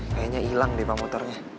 kayaknya ilang deh pak motornya